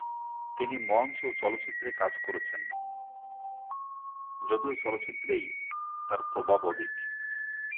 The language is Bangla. তিনি মঞ্চ ও চলচ্চিত্রে কাজ করেছেন, যদিও চলচ্চিত্রেই তার প্রভাব অধিক।